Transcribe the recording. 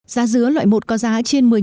giá dứa loại một có giá trên một mươi